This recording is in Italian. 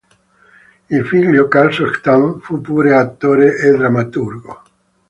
Il figlio Karl Sontag fu pure attore e drammaturgo.